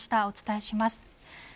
お伝えします。